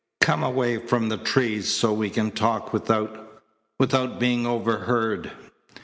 Come away from the trees so we can talk without without being overheard."